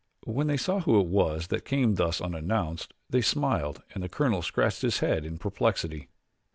When they saw who it was that came thus unannounced they smiled and the colonel scratched his head in perplexity.